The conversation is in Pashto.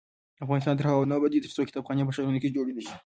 افغانستان تر هغو نه ابادیږي، ترڅو کتابخانې په ښارونو کې جوړې نشي.